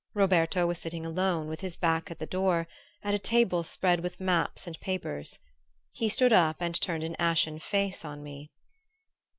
Roberto was sitting alone, with his back to the door, at a table spread with maps and papers. He stood up and turned an ashen face on me.